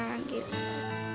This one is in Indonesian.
dia aktif banget anaknya